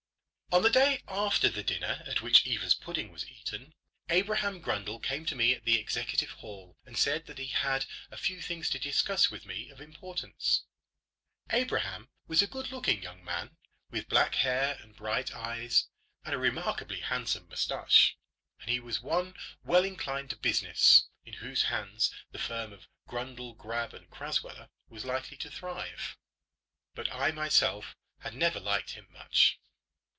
On the day after the dinner at which Eva's pudding was eaten, Abraham Grundle came to me at the Executive Hall, and said that he had a few things to discuss with me of importance. Abraham was a good looking young man, with black hair and bright eyes, and a remarkably handsome moustache; and he was one well inclined to business, in whose hands the firm of Grundle, Grabbe, & Crasweller was likely to thrive; but I myself had never liked him much.